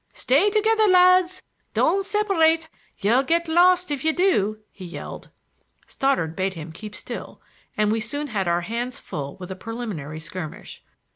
"Stay together, lads. Don't separate; you'll get lost if you do," he yelled. Stoddard bade him keep still, and we soon had our hands full with a preliminary skirmish.